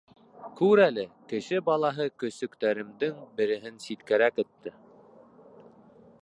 Күр әле, кеше балаһы көсөктәремдең береһен ситкәрәк этте.